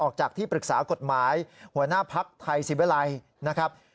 ออกจากที่ปรึกษากฎหมายหัวหน้าภักดิ์ไทยสิวิลัยนะครับ